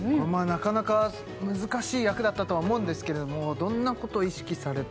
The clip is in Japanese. なかなか難しい役だったとは思うんですけれどもどんなこと意識されて？